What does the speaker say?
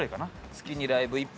月にライブ１本。